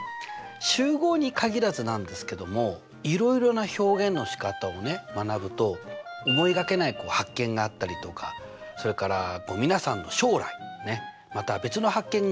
集合に限らずなんですけどもいろいろな表現のしかたを学ぶと思いがけない発見があったりとかそれから皆さんの将来また別の発見につながったりとするんですね。